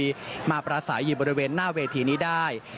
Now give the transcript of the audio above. ที่มาประสัยอยู่บริเวณหน้าเวทีนี้ได้